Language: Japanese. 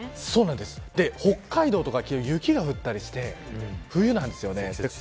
北海道とかは雪が降ったりして冬なんですよね。